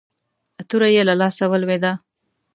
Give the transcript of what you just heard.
توره يې له لاسه ولوېده.